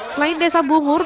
selain desa bungur